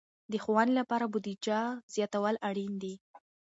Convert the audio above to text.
د ښوونې لپاره بودیجه زیاتول اړین دي.